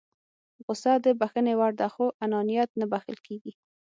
غوسه د بښنې وړ ده خو انانيت نه بښل کېږي.